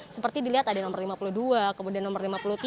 seperti dilihat ada nomor lima puluh dua kemudian nomor lima puluh tiga